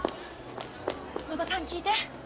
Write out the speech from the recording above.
野田さん聞いて。